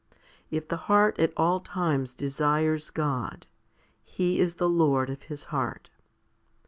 If the heart at all times desires God, He is the Lord of his heart.